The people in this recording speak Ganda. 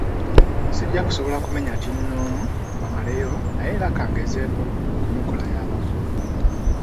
Sijja kusobola kumenya kinnoomu mbamaleyo, naye era ka ngezeeko okunokolayo abamu.